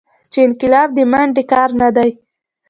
چې انقلاب دې منډې کار نه دى.